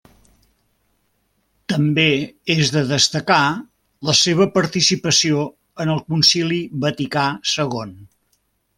També és de destacar la seva participació en el Concili Vaticà Segon.